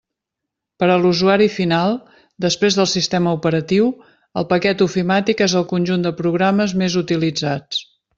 Per a l'usuari final, després del sistema operatiu, el paquet ofimàtic és el conjunt de programes més utilitzats.